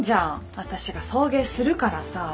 私が送迎するからさ。